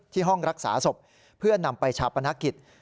ที่ห้องรักษาสบเพื่อนำไปชาปนักกิจ